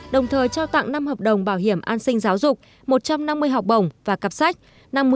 đồng thời trao tặng năm hợp đồng bảo hiểm an sinh giáo dục một trăm năm mươi học bổng và cặp sách